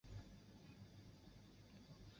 阿尔桑。